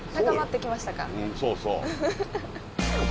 うんそうそう。